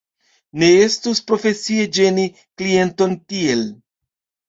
Ne estus profesie ĝeni klienton tiel.